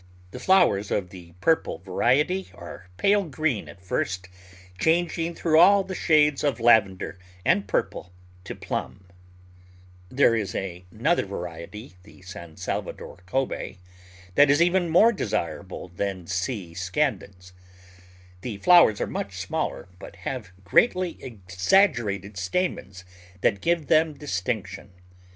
The flowers of the purple variety are pale green at first, changing through all the shades of lavender and purple to plum. Digitized by Google 130 The Flower Garden [Chapter There is another variety — the San Salvador Cobsa — that is even more desirable than the C. scandens. The flowers are much smaller, but have greatly exag gerated stamens that give them distinction.